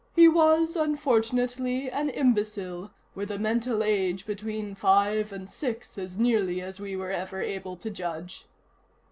"He was, unfortunately, an imbecile, with a mental age between five and six, as nearly as we were ever able to judge."